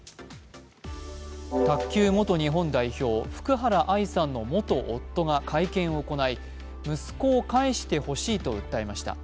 卓球女子元日本代表、福原愛さんの元夫が会見を開き、息子を返してほしいと訴えました。